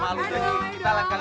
terus jawab dong mbak